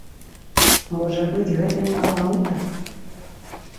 Можа быць, гэта не каламута?